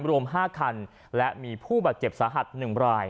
รวม๕คันและมีผู้บาดเจ็บสาหัส๑ราย